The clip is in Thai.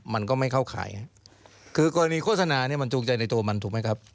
มันก็ไม่เข้าขายคือกรณีโฆษณาเนี่ยมันจูงใจในตัวมันถูกไหมครับ